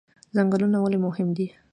ځنګلونه ولې مهم دي؟